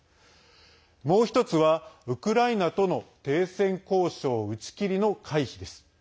もう１つは、ウクライナとの停戦交渉打ち切りの回避です。